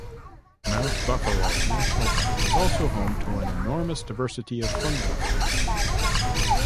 Mount Buffalo National Park is also home to an enormous diversity of fungi.